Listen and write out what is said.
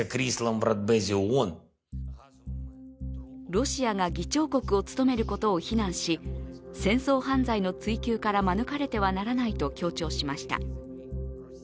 ロシアが議長国を務めることを非難し、戦争犯罪の追及から免れてはならないと強調しました。